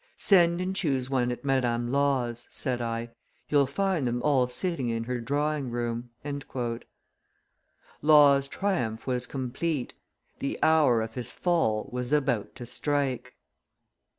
"'Send and choose one at Madame Law's,' said I; 'you will find them all sitting in her drawing room.'" Law's triumph was complete; the hour of his fall was about to strike.